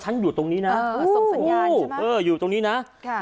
อยู่ตรงนี้นะเออส่งสัญญาณอยู่เอออยู่ตรงนี้นะค่ะ